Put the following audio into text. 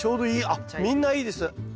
あっみんないいです。